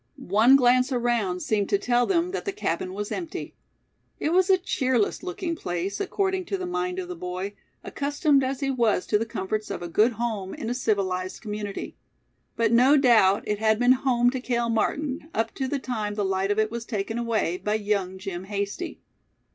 One glance around seemed to tell them that the cabin was empty. It was a cheerless looking place, according to the mind of the boy, accustomed as he was to the comforts of a good home in a civilized community. But no doubt it had been "home" to Cale Martin, up to the time the light of it was taken away by young Jim Hasty.